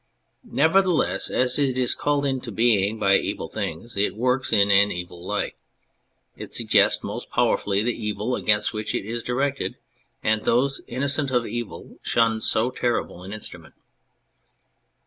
Nevertheless, as it is called into being by evil things, it works in an evil light. It suggests most power fully the evil against which it is directed, and those innocent of evil shun so terrible an instrument.